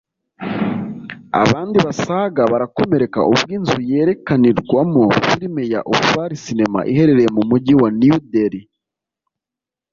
abandi basaga barakomereka ubwo inzu yerekanirwamo filime ya Uphaar cinema iherereye mu mujyi wa New Delhi